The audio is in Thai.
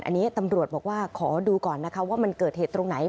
อันนี้ตำรวจบอกว่าขอดูก่อนนะคะว่ามันเกิดเหตุตรงไหน